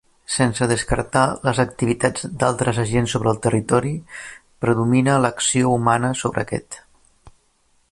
Sense descartar les activitats d'altres agents sobre el territori, predomina l'acció humana sobre aquest.